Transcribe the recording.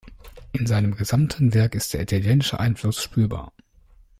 In seinem gesamten Werk ist der italienische Einfluss spürbar.